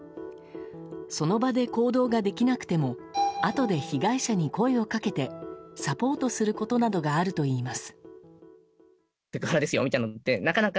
その場で行動ができなくてもあとで被害者に声をかけてサポートすることなどがあるといいます。